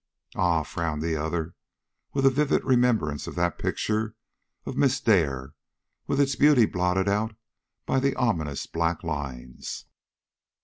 "Ah!" frowned the other, with a vivid remembrance of that picture of Miss Dare, with its beauty blotted out by the ominous black lines.